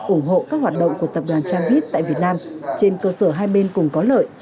ủng hộ các hoạt động của tập đoàn chang hit tại việt nam trên cơ sở hai bên cùng có lợi